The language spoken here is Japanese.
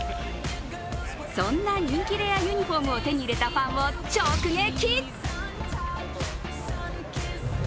そんな人気レアユニフォームを手に入れたファンを直撃。